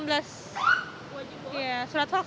masih pakai surat tugas